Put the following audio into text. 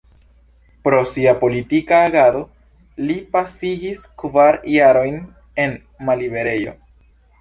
Pro sia politika agado, li pasigis kvar jarojn en malliberejo.